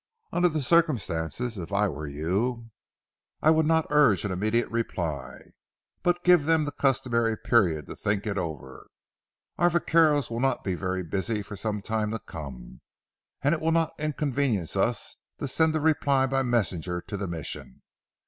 Under the circumstances, if I were you, I would not urge an immediate reply, but give them the customary period to think it over. Our vaqueros will not be very busy for some time to come, and it will not inconvenience us to send a reply by messenger to the Mission.